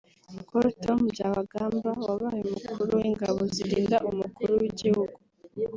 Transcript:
Col Tom Byabagamba wabaye umukuru w’ingabo zirinda umukuru w’igihugu